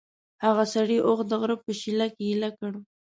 هغه سړي اوښ د غره په شېله کې ایله کړ.